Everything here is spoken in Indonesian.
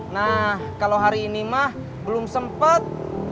nah kalau hari ini mah belum sempat